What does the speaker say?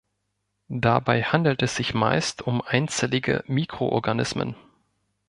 Dabei handelt es sich meist um einzellige Mikroorganismen.